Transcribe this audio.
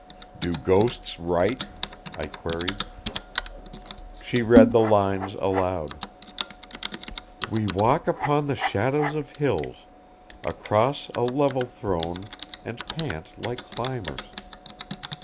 "Do ghosts write?" I queried. She read the lines aloud. "'We walk upon the shadows of hills, across a level thrown, and pant like climbers.'"